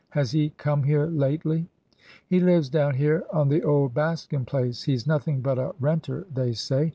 Has he come here lately ?'' He lives down here on the old Baskin place— he 's nothing but a renter, they say.